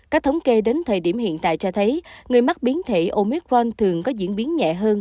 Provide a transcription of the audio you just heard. các thống kê đến thời điểm hiện tại cho thấy người mắc biến thể omicron thường có diễn biến nhẹ hơn